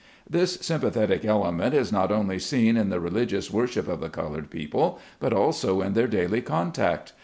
This sympathetic element is not only seen in the religious worship of the colored people, but also in their daily contact.